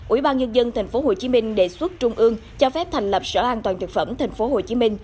ubnd tp hcm đề xuất trung ương cho phép thành lập sở an toàn thực phẩm tp hcm